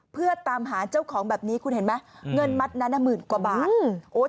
เพื่อตามหาเจ้าของแบบนี้คุณเห็นไหมเงินมัดนั้นหมื่นกว่าบาท